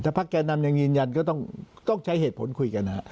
พักแก่นำยังยืนยันก็ต้องใช้เหตุผลคุยกัน